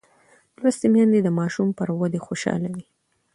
لوستې میندې د ماشوم پر ودې خوشحاله وي.